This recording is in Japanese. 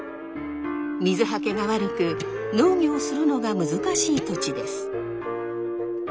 水はけが悪く農業をするのが難しい土地です。